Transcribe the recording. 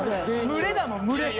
群れだもん群れ。